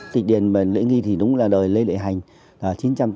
tịch điền lễ nghi thì đúng là đời lễ lễ hành là chín trăm tám mươi bảy